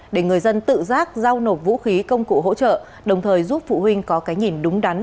để người dân tự giác giao nộp vũ khí công cụ hỗ trợ đồng thời giúp phụ huynh có cái nhìn đúng đắn